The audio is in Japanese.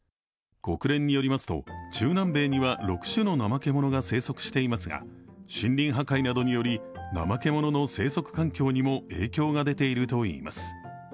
国連によりますと、中南米には６種のナマケモノが生息していますが、森林破壊によりナマケモノの生息環境にも影響が出ているといいます。